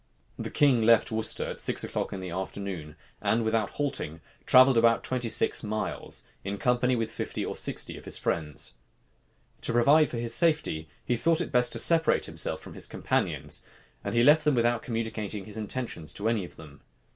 The king left Worcester at six o'clock in the afternoon, and without halting, travelled about twenty six miles, in company with fifty or sixty of his friends. To provide for his safety, he thought it best to separate himself from his companions; and he left them without communicating his intentions to any of them.